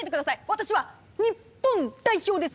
私は日本代表です！